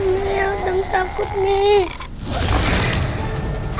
mi ada yang takut nih